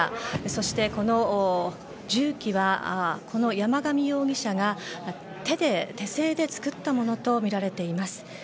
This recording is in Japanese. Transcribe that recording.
そして、この銃器はこの山上容疑者が手製で作ったものとみられています。